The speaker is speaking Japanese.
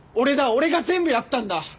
俺が全部やったんだ！